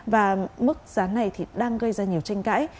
và mức gián này đang gây ra nhiều tranh cãi